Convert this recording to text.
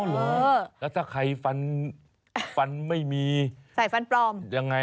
อ๋อเหรอแล้วถ้าใครฟันไม่มียังไงอะใส่ฟันปลอม